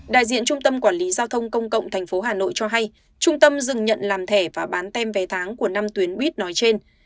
đại diện trung tâm quản lý giao thông công cộng tp hà nội cho hay trung tâm dừng nhận làm thẻ và bán tem vé tháng của năm tuyến buýt nói trên